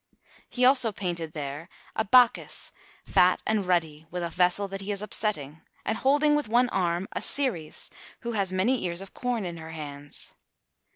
He also painted there a Bacchus, fat and ruddy, with a vessel that he is upsetting, and holding with one arm a Ceres who has many ears of corn in her hands.